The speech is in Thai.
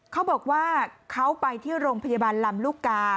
เขาบอกว่าเขาไปที่โรงพยาบาลลำลูกกา